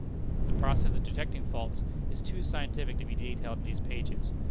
The process of detecting faults is too scientific to be detailed in these pages.